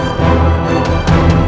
aku akan menang